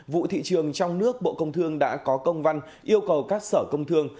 vụ thị trường trong nước bộ công thương đã có công văn yêu cầu các sở công thương